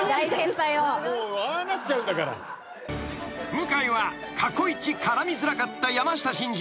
［向井は過去一絡みづらかった山下真司。